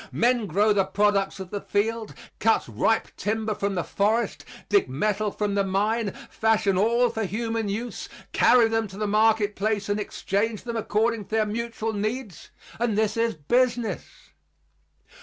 Men grow the products of the field, cut ripe timber from the forest, dig metal from the mine, fashion all for human use, carry them to the market place and exchange them according to their mutual needs and this is business.